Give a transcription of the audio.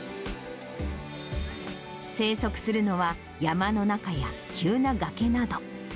生息するのは、山の中や急な崖など。